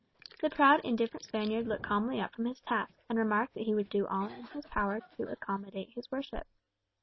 The proud indifferent Spaniard looked calmly up from his task, and remarked that he would do all in his power to accommodate his worship.